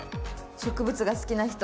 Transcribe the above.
「植物が好きな人。